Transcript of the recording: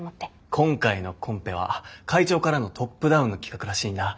今回のコンペは会長からのトップダウンの企画らしいんだ。